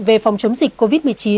về phòng chống dịch covid một mươi chín